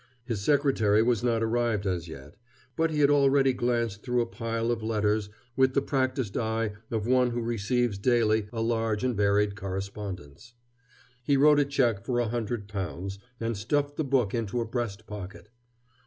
His secretary was not arrived as yet; but he had already glanced through a pile of letters with the practiced eye of one who receives daily a large and varied correspondence. He wrote a check for a hundred pounds, and stuffed the book into a breast pocket.